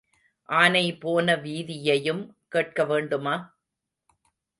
ஆனை போன வீதியையும் கேட்க வேண்டுமா?